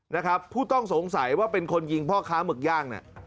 นะครับผู้ต้องสงสัยว่าเป็นคนยิงพ่อค้าหมึกย่างเนี่ย